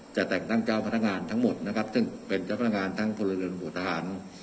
จะแต่งตั้งเจ้าพนักงานทั้งหมดนะครับซึ่งเป็นเจ้าพนักงานทั้งพลเรือนหมวดทหาร